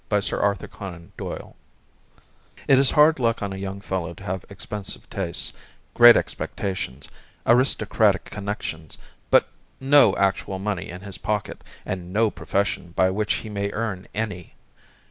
The Brazilian Cat It is hard luck on a young fellow to have expensive tastes, great expectations, aristocratic connections, but no actual money in his pocket, and no profession by which he may earn any.